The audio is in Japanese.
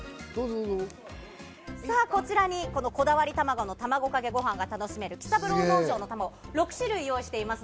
さぁ、こちらにこだわりたまごの、たまごかけごはんが楽しめる喜三郎農場のたまご、６種類をご用意しています。